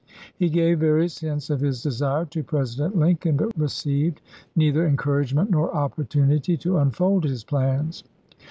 He gave various hints of his desire to President Lincoln, but received neither encouragement nor opportunity to unfold his plans.